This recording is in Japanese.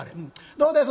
どうです？